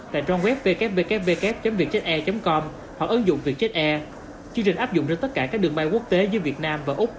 tại trang web www vietjetair com hoặc ứng dụng vietjet air chương trình áp dụng cho tất cả các đường bay quốc tế dưới việt nam và úc